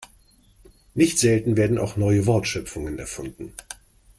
Nicht selten werden auch neue Wortschöpfungen erfunden.